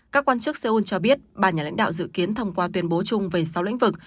các quan chức seoul cho biết ba nhà lãnh đạo dự kiến thông qua tuyên bố chung về sáu lĩnh vực